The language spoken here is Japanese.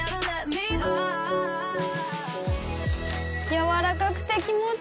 やわらかくて気持ちいい！